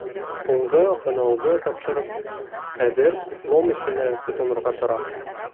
Һуңғы һынауҙы тапшырып, хәҙер диплом эшенә тотонорға тора.